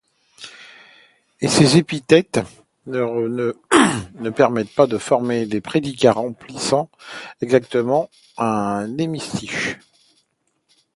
Et ces épithètes ne permettent pas de former des prédicats remplissant exactement un hémistiche.